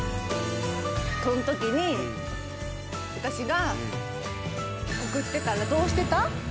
そのときに私が告ってたらどうしてた？